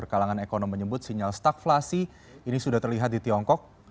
kalangan ekonomi menyebut sinyal staflasi ini sudah terlihat di tiongkok